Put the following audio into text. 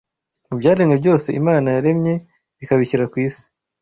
Mu byaremwe byose Imana yaremye ikabishyira ku isi